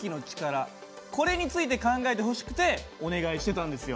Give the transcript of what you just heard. これについて考えてほしくてお願いしてたんですよ。